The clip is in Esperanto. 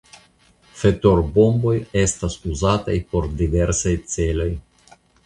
Fetorbomboj estas uzataj por diversaj celoj.